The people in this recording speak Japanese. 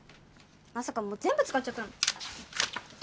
まさかもう全部使っちゃったの？